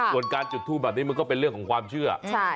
ส่วนการจุดทูปแบบนี้มันก็เป็นเรื่องของความเชื่อ